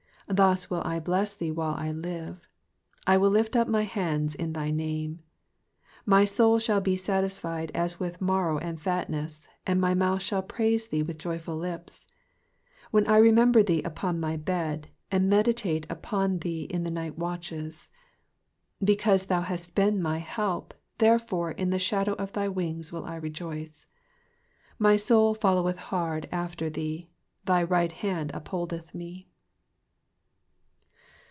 Thus will I bless thee while I live : I will lift up my hands in thy name. 5 My soul shall be satisfied as wttk marrow and fatness ; and my mouth shall praise tAee with joyful lips : 6 When I remember^ thee upon my bed, and meditate on thee in the ni^At watches. 7 Because thou hast been my help, therefore in the shadow of thy wings will I rejoice. 8 My soul foUoweth hard after thee : thy right hand up holdeth me.